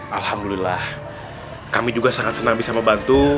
alhamdulillah kami juga sangat senang bisa membantu